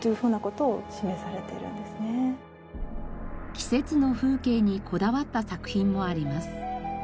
季節の風景にこだわった作品もあります。